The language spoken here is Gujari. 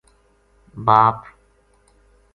باپ